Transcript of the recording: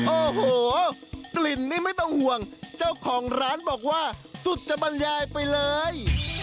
โอ้โหกลิ่นนี่ไม่ต้องห่วงเจ้าของร้านบอกว่าสุดจะบรรยายไปเลย